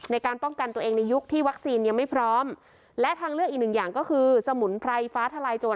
ในการป้องกันตัวเองในยุคที่วัคซีนยังไม่พร้อมและทางเลือกอีกหนึ่งอย่างก็คือสมุนไพรฟ้าทลายโจร